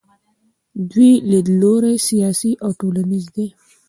دویم لیدلوری سیاسي او ټولنیز دی.